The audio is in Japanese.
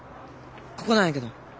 ここなんやけど。